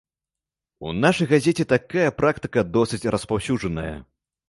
У нашай газеце такая практыка досыць распаўсюджаная.